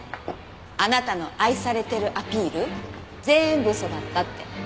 あなたの愛されてるアピール全部嘘だったって。